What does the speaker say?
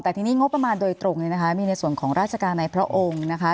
แต่ทีนี้งบประมาณโดยตรงเนี่ยนะคะมีในส่วนของราชการในพระองค์นะคะ